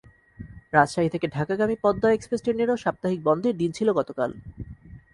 রাজশাহী থেকে ঢাকাগামী পদ্মা এক্সপ্রেস ট্রেনেরও সাপ্তাহিক বন্ধের দিন ছিল গতকাল।